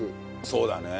そうだね。